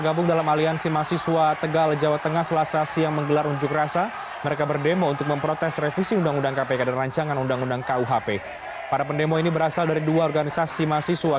masa mahasiswa di depan gedung dprd solo selasa siang berakhir rusuk